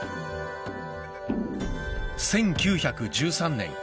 １９１３年